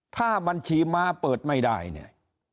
ถ้าบัญชีม้าเปิดไม่ได้เนี่ย